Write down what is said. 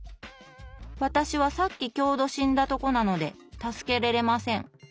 「わたしは、さっききょうど死んだとこなので、助けれれません。」